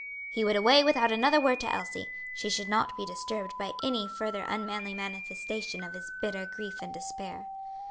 He would away without another word to Elsie; she should not be disturbed by any further unmanly manifestation of his bitter grief and despair.